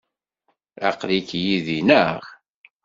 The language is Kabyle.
Aql-ik yid-i, naɣ?